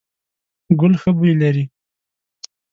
ګل ښه بوی لري ….